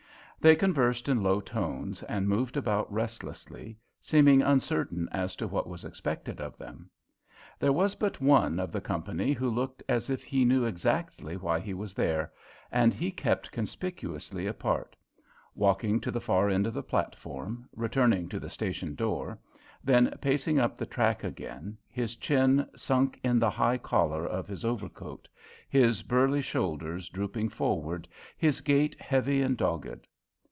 They conversed in low tones and moved about restlessly, seeming uncertain as to what was expected of them. There was but one of the company who looked as if he knew exactly why he was there, and he kept conspicuously apart; walking to the far end of the platform, returning to the station door, then pacing up the track again, his chin sunk in the high collar of his overcoat, his burly shoulders drooping forward, his gait heavy and dogged.